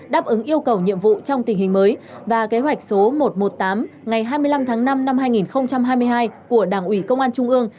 đáp ứng yêu cầu nhiệm vụ trong tình hình mới và kế hoạch số một trăm một mươi tám ngày hai mươi năm tháng năm năm hai nghìn hai mươi hai của đảng ủy công an trung ương